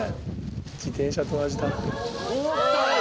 自転車と同じだ。